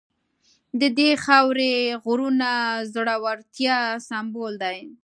د دې خاورې غرونه د زړورتیا سمبول دي.